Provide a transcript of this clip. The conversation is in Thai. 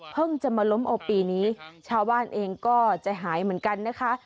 จะมาล้มเอาปีนี้ชาวบ้านเองก็ใจหายเหมือนกันนะคะ